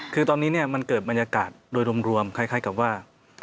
คือตอนนี้มันเกิดบรรยากาศโดยรวมคล้ายกับว่า